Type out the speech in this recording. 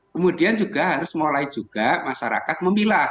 kemudian juga harus mulai juga masyarakat memilah